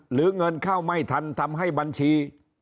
หรือเงินเข้าไม่ทันทำให้บัญชี